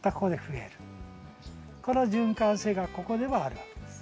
この循環性がここではあるわけです。